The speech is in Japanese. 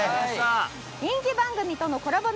人気番組のコラボ